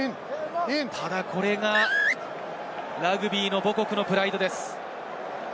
ただ、これがラグビーの母国のプライドです。